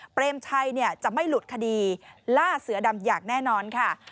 เปรมชัยจะไม่หลุดคดีล่าเสือดำอย่างแน่นอนค่ะ